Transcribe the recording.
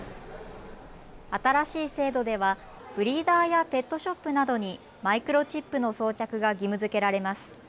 新しい制度ではブリーダーやペットショップなどにマイクロチップの装着が義務づけられます。